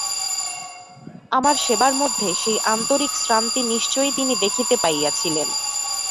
আমার সেবার মধ্যে সেই আন্তরিক শ্রান্তি নিশ্চই তিনি দেখিতে পাইয়াছিলেন।